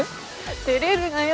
照れるなよ